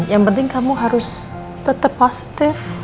yang penting kamu harus tetap positif